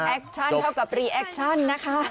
คชั่นเท่ากับรีแอคชั่นนะคะ